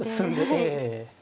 ええ。